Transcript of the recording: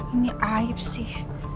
ini aib sih